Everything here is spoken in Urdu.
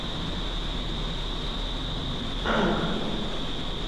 اقتدار کے اس کھیل میں آپ کو جتنا حصہ ملتا ہے